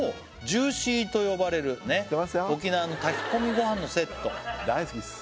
ジューシーと呼ばれる沖縄の炊き込みご飯のセット大好きです